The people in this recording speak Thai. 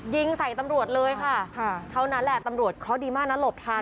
ยิงใส่ตำรวจเลยค่ะเท่านั้นแหละตำรวจเคราะห์ดีมากนะหลบทัน